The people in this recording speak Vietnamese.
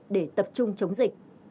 để tập trung chống dịch